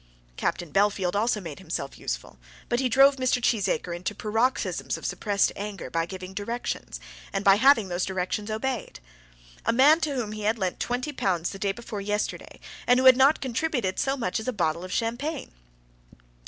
Captain Bellfield also made himself useful, but he drove Mr. Cheesacre into paroxysms of suppressed anger by giving directions, and by having those directions obeyed. A man to whom he had lent twenty pounds the day before yesterday, and who had not contributed so much as a bottle of champagne!